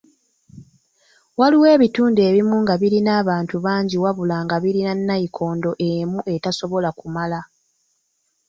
Waliwo ebitundu ebimu nga birina abantu bangi wabula nga birina nayikondo emu etasobola kumala.